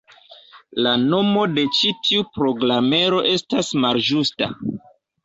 La nomo de ĉi tiu programero estas malĝusta.